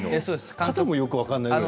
肩もよく分からないくらいの。